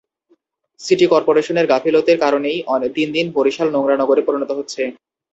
City করপোরেশনের গাফিলতির কারণেই দিন দিন বরিশাল নোংরা নগরে পরিণত হচ্ছে।